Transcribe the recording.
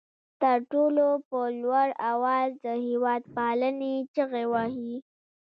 تر ټولو په لوړ آواز د هېواد پالنې چغې وهي.